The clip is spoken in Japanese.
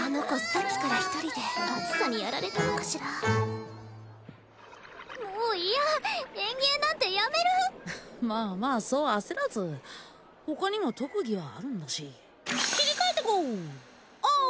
さっきから一人で暑さにやられたのかしらもうイヤ園芸なんてやめるまあまあそう焦らず他にも特技はあるんだし切り替えてこおう！